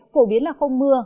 phổ biến là không mưa